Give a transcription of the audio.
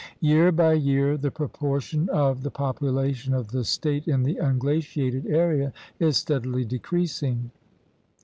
Year by year the proportion of the popula tion of the State in the unglaciated area is steadily decreasing.